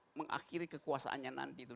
untuk mengakhiri kekuasaannya nanti itu